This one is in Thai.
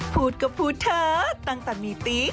พูดก็พูดเถอะตั้งแต่มีตี